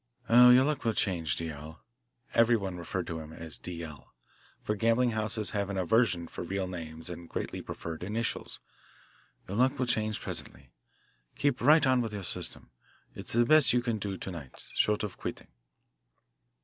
"Oh, your luck will change, D. L.," everyone referred to him as "D. L.," for gambling houses have an aversion for real names and greatly prefer initials "your luck will change presently. Keep right on with your system. It's the best you can do to night, short of quitting."